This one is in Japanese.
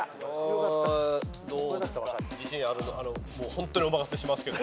ホントにお任せしますけど。